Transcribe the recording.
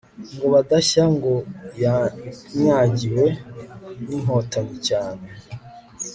ngo badashya ngo yanyagiwe ninkotanyi cyane